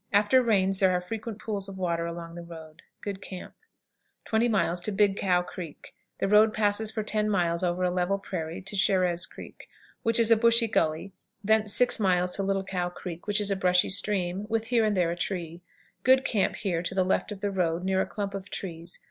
After rains there are frequent pools of water along the road. Good camp. 20. "Big Cow" Creek. The road passes for ten miles over a level prairie, to Charez Creek, which is a bushy gully; thence six miles to Little Cow Creek, which is a brushy stream, with here and there a tree. Good camp here to the left of the road, near a clump of trees.